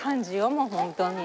もう本当に。